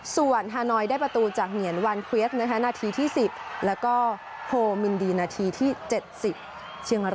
สเวอร์ฮาโนยได้ประตูจากเหี่ยนวันเควิร์คนะคะและโทมินฎีนาที๗๐